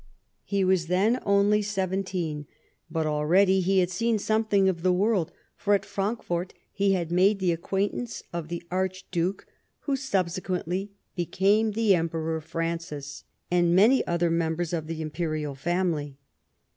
He was then only seventeen, but already he had seen something of the world, for, at Frankfort, he had made the acquaintance of the Archduke, who subsequently became the Emperor Francis, and many other members of the Imperial family.